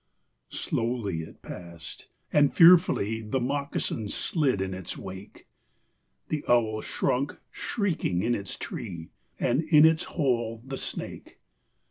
Slowly it passed; and fearfully The moccasin slid in its wake; The owl shrunk shrieking in its tree; And in its hole the snake.